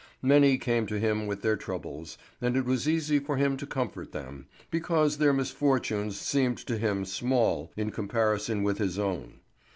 Many came to him with their troubles, and it was easy for him to comfort them, because their misfortunes seemed to him small in comparison with his own.